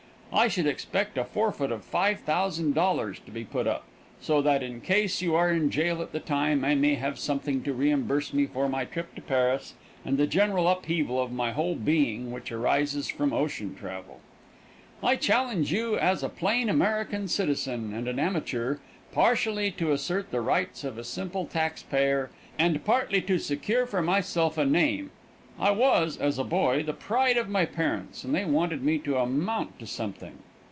I should expect a forfeit of $5,000 to be put up, so that in case you are in jail at the time, I may have something to reimburse me for my trip to Paris and the general upheaval of my whole being which arises from ocean travel. I challenge you as a plain American citizen and an amateur, partially to assert the rights of a simple tax payer and partly to secure for myself a name. I was, as a boy, the pride of my parents, and they wanted me to amount to something.